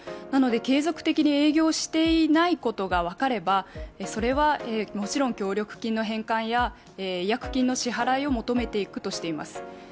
なので、継続的に営業していないことが分かれば、それはもちろん協力金の返還や、違約金の支払いを求めていくとしています。